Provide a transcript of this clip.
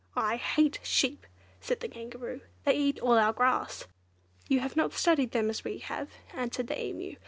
"I hate sheep!" said the Kangaroo, "they eat all our grass." "You have not studied them as we have," answered the Emu.